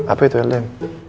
apa itu ldm